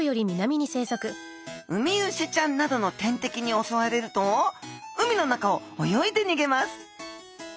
ウミウシちゃんなどの天敵に襲われると海の中を泳いで逃げます。